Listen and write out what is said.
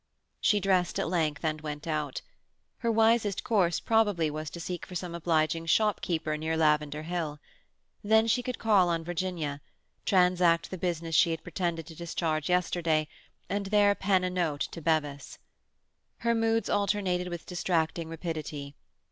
She dressed at length and went out. Her wisest course, probably, was to seek for some obliging shopkeeper near Lavender Hill. Then she could call on Virginia, transact the business she had pretended to discharge yesterday, and there pen a note to Bevis. Her moods alternated with distracting rapidity.